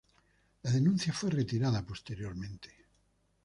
La denuncia fue retirada posteriormente.